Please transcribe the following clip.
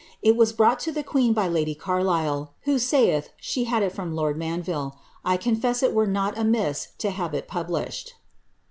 It was brought to the queen b}' laily Carlisle, who saith she had it from lord Mandeviile.' I confess it were ro: ainiM to have it published.'